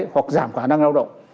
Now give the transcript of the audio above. hoặc giảm khả năng lao động